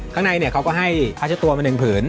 ข้างในเขาก็ให้อาเช็ดตัวมาหนึ่งผืน